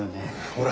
ほら。